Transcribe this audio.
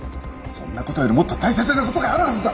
そんな事よりもっと大切な事があるはずだ！